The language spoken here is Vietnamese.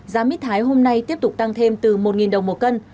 giá mít thái hôm nay tiếp tục tăng thêm từ một đồng một cân